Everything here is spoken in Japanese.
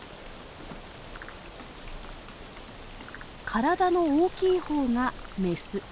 体の大きい方がメス。